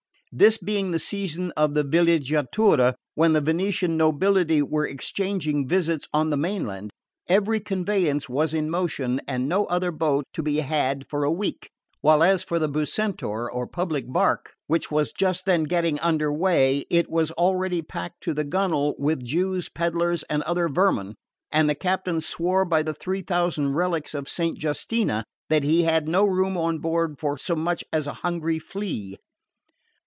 This being the season of the villeggiatura, when the Venetian nobility were exchanging visits on the mainland, every conveyance was in motion and no other boat to be had for a week; while as for the "bucentaur" or public bark, which was just then getting under way, it was already packed to the gunwale with Jews, pedlars and such vermin, and the captain swore by the three thousand relics of Saint Justina that he had no room on board for so much as a hungry flea.